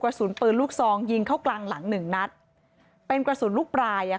กระสุนปืนลูกซองยิงเข้ากลางหลังหนึ่งนัดเป็นกระสุนลูกปลายอ่ะ